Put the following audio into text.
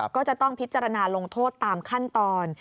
ก็จะต้องพิจารณาลงโทษตามขั้นตอน